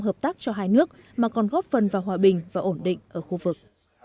hợp tác cho hai nước mà còn góp phần vào hòa bình và ổn định ở khu vực